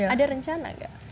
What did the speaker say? ada rencana gak